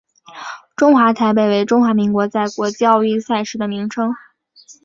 中华台北为中华民国在国际奥运赛事的名称。